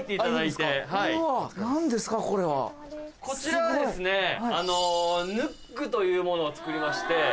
こちらはヌックというものをつくりまして。